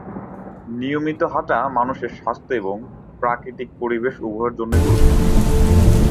নিয়মিত হাঁটা মানুষের স্বাস্থ্য এবং প্রাকৃতিক পরিবেশ উভয়ের জন্যই গুরুত্বপূর্ণ।